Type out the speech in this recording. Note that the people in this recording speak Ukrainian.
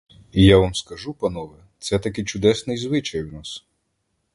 І я вам скажу, панове, це таки чудесний звичай у нас.